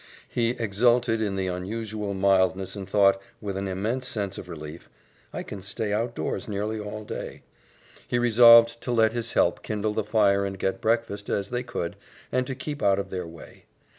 He exulted in the unusual mildness and thought, with an immense sense of relief, "I can stay outdoors nearly all day." He resolved to let his help kindle the fire and get breakfast as they could, and to keep out of their way.